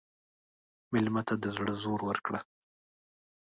مېلمه ته د زړه زور ورکړه.